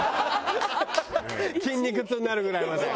筋肉痛になるぐらいまで１２。